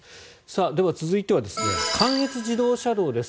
では、続いては関越自動車道です。